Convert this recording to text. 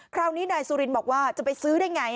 คราวนี้นายสุรินบอกว่าจะไปซื้อได้ไง